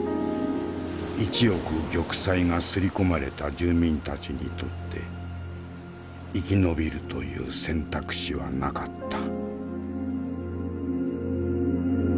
「一億玉砕」が刷り込まれた住民たちにとって生き延びるという選択肢はなかった。